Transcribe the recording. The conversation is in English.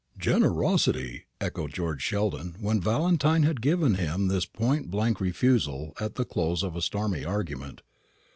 "Generosity!" echoed George Sheldon, when Valentine had given him this point blank refusal at the close of a stormy argument.